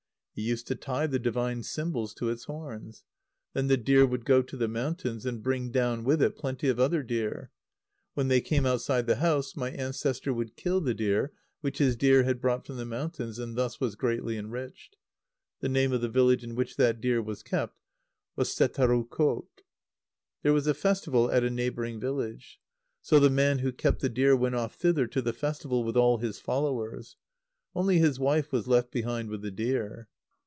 He used to tie the divine symbols to its horns. Then the deer would go to the mountains, and bring down with it plenty of other deer. When they came outside the house my ancestor would kill the deer which his deer had brought from the mountains, and thus was greatly enriched. The name of the village in which that deer was kept was Setarukot. There was a festival at a neighbouring village. So the man who kept the deer went off thither to the festival with all his followers. Only his wife was left behind with the deer.